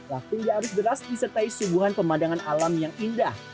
rafting yang harus beras disertai sungguhan pemandangan alam yang indah